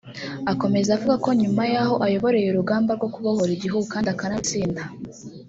Akomeza avuga ko nyuma y’aho ayoboreye urugamba rwo kubohora igihugu kandi akanarutsinda